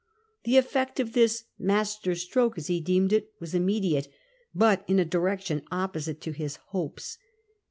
The effect of this ' master stroke,' as he deemed it, was immediate, but in a direction opposite to his hopes.